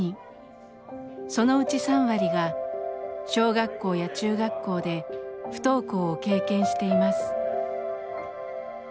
そのうち３割が小学校や中学校で不登校を経験しています。